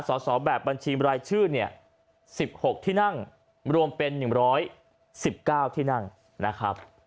สอบแบบบัญชีรายชื่อเนี่ย๑๖ที่นั่งรวมเป็น๑๑๙ที่นั่งนะครับ